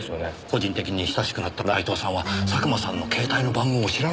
個人的に親しくなった内藤さんは佐久間さんの携帯の番号を知らないんですか？